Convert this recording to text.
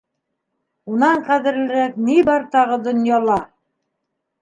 Унан ҡәҙерлерәк ни бар тағы донъяла!